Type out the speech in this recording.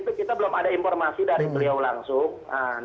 itu kita belum ada informasi dari beliau langsung